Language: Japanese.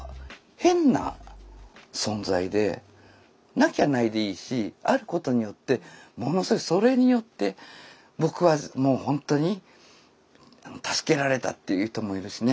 なきゃないでいいしあることによってものすごいそれによって僕はもうほんとに助けられたっていう人もいるしね。